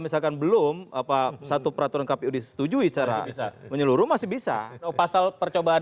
misalkan belum apa satu peraturan kpu disetujui secara menyeluruh masih bisa pasal percobaan